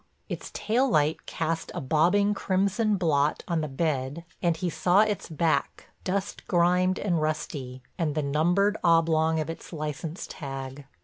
Its tail light cast a bobbing, crimson blot on the bed and he saw its back, dust grimed and rusty, and the numbered oblong of its license tag.